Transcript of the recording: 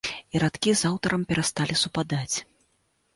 І радкі з аўтарам перасталі супадаць.